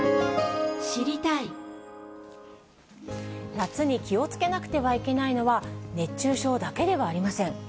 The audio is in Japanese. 夏に気をつけなくてはいけないのは、熱中症だけではありません。